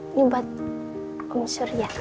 ini buat om surya